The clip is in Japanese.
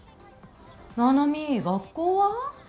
七海学校は？